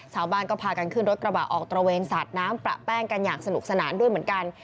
ชาวบ้านก็พากันขึ้นรถกระบะออกตระเวนสาดน้ำประแป้งกันอย่างสนุกสนานด้วยเหมือนกัน